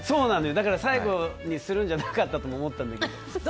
だから最後にするんじゃなかったとも思ったんだけど。